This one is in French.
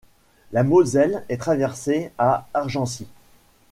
La Moselle est traversée à Argancy.